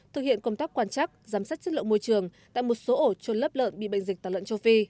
thực hiện công tác quan chắc giám sát chất lượng môi trường tại một số ổ trôn lấp lợn bị bệnh dịch tả lợn châu phi